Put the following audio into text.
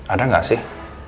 ada gak sih